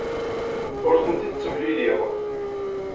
Ur tent-id-ttemliliɣ.